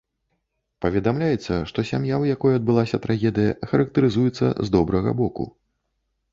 Паведамляецца, што сям'я, у якой адбылася трагедыя, характарызуецца з добрага боку.